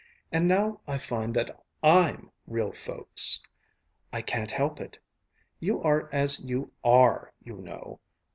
And now I find that I'm real folks! I can't help it. You are as you are, you know.